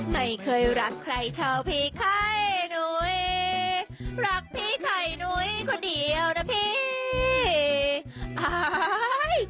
ไม่เคยรักใครเท่าพี่ค่ายนุ้ยรักพี่ไข่นุ้ยคนเดียวนะพี่อาย